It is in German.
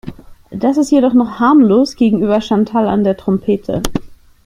Das ist jedoch noch harmlos gegenüber Chantal an der Trompete.